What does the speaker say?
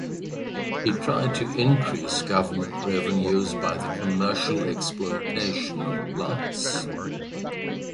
He tried to increase government revenues by the commercial exploitation of plants.